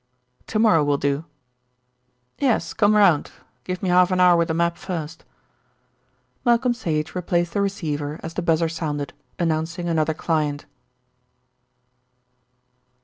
To morrow will do. Yes, come round. Give me half an hour with the map first." Malcolm Sage replaced the receiver as the buzzer sounded, announcing another client.